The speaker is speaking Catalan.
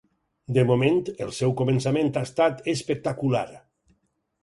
De moment, el seu començament ha estat espectacular.